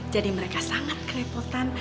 jadi mereka sangat kerepotan